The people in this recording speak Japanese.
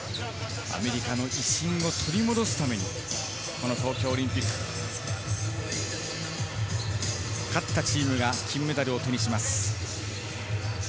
アメリカの威信を取り戻すために、この東京オリンピック、勝ったチームが金メダルを手にします。